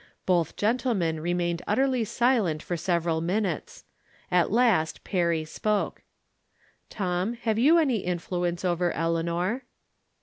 Both gen tlemen remained utterly silent for several min utes. At last Perry spoke :" Tom, have you any influence over Eleanor?